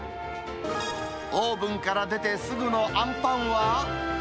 オーブンから出てすぐのあんぱんは。